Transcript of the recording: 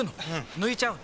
ぬいちゃうの？